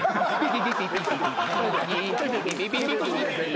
ピピピピピ。